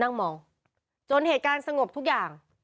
นั่งมองจนเหตุการณ์สงบทุกอย่าง